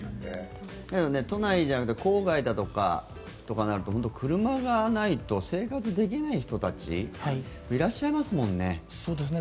都内じゃなくて郊外だとかになると車がないと生活できない人たちいらっしゃいますもんね。